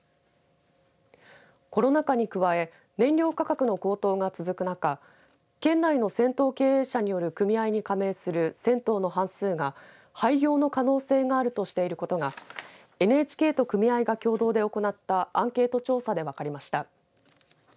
コロナ禍に加え燃料価格の高騰が続く中県内の銭湯経営者による組合に加盟する銭湯の半数が、廃業の可能性があるとしていることがＮＨＫと組合が共同で行ったアンケート調査で分かりました。